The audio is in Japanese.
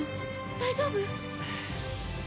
大丈夫？